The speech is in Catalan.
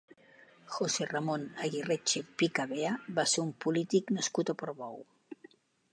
José Ramón Aguirreche Picavea va ser un polític nascut a Portbou.